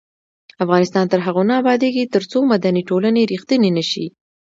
افغانستان تر هغو نه ابادیږي، ترڅو مدني ټولنې ریښتینې نشي.